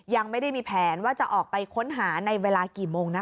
ยังไม่ได้มีแผนว่าจะออกไปค้นหาในเวลากี่โมงนะ